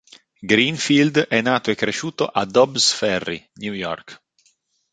Greenfield è nato e cresciuto a Dobbs Ferry, New York.